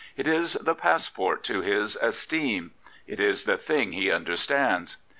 It is the passport to his esteem. It is the thing he under stands.